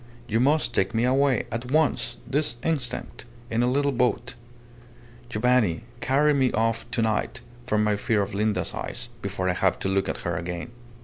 You must take me away at once this instant in the little boat. Giovanni, carry me off to night, from my fear of Linda's eyes, before I have to look at her again."